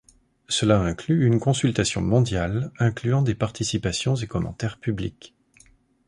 Cela inclut une consultation mondiale incluant des participations et commentaires publics.